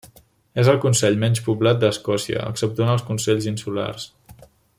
És el consell menys poblat d'Escòcia, exceptuant els consells insulars.